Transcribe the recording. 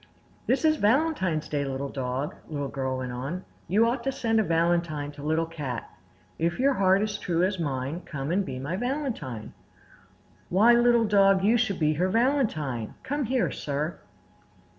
"This is Valentine's Day, Little Dog," Little Girl went on. "You ought to send a valentine to Little Cat. "'If your heart is true as mine, Come and be my valentine.' Why, Little Dog, you shall be her valentine. Come here, sir!"